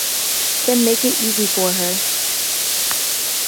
Then make it easy for her!